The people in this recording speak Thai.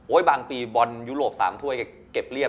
โอ้ยบางปีบอลยุโรป๓ถ้วยเก็บเรียบ